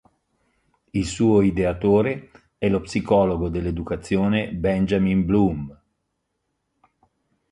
Il suo ideatore è lo psicologo dell'educazione Benjamin Bloom.